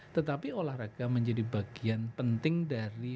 tetapi olahraga menjadi bagian penting dari